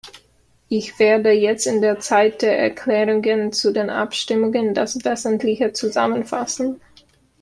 Ich werde jetzt in der Zeit der Erklärungen zu den Abstimmungen das Wesentliche zusammenfassen.